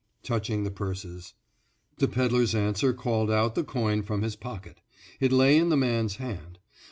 touching the purses. The pedler's answer called out the coin from his pocket; it lay in the man's hand.